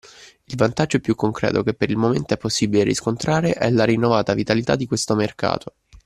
Il vantaggio più concreto che per il momento è possibile riscontrare è la rinnovata vitalità di questo mercato.